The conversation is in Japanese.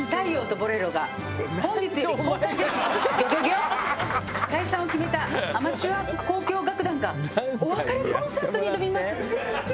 解散を決めたアマチュア交響楽団がお別れコンサートに挑みます！